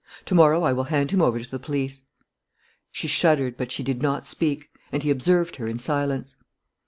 "To morrow I will hand him over to the police." She shuddered. But she did not speak; and he observed her in silence.